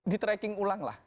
di tracking ulang lah